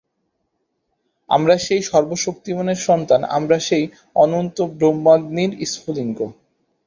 আমরা সেই সর্বশক্তিমানের সন্তান, আমরা সেই অনন্ত ব্রহ্মাগ্নির স্ফুলিঙ্গ।